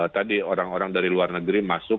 tadi orang orang dari luar negeri masuk